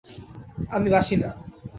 আমি বাসি না।